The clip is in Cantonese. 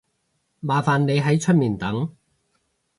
麻煩你喺出面等